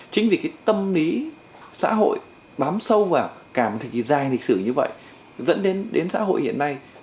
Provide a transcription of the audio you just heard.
chính vì cái tâm lý xã hội bám sâu vào cả một thời kỳ dài lịch sử như vậy dẫn đến đến xã hội hiện nay